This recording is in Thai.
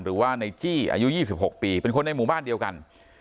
หรือว่าในจี้อายุ๒๖ปีเป็นคนในหมู่บ้านเดียวกัน